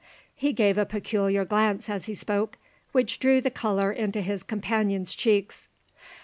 He gave a peculiar glance as he spoke, which drew the colour into his companion's cheeks.